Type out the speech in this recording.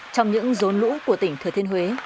trong những rốn lũ của tỉnh thừa thiên huế